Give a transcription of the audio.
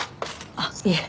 あっいえ。